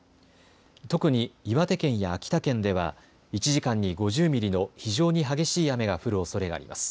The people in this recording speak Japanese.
特に岩手県や秋田県では１時間に５０ミリの非常に激しい雨が降るおそれがあります。